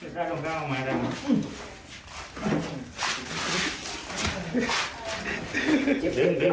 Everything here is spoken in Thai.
ได้ต้องเต้นออกมาได้หรอ